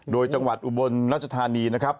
โดยจังหวัดอุบลรัชธานีนะครับ